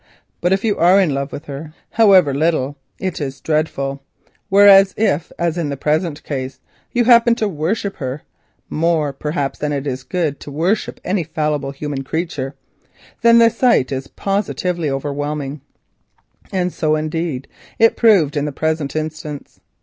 But if you are in love with her, however little, it is dreadful; whereas, if, as in the present case, you happen to worship her, more, perhaps, than it is good to worship any fallible human creature, then the sight is positively overpowering. And so, indeed, it proved in the present instance.